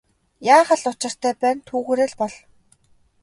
Яах л учиртай байна түүгээрээ бол.